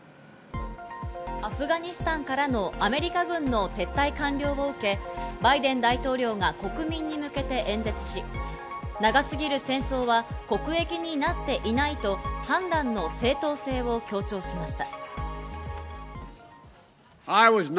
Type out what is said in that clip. アフガニスタンからのアメリカ軍の撤退完了を受け、バイデン大統領が国民に向けて演説し、長すぎる戦争は国益になっていないと判断の正当性を強調しました。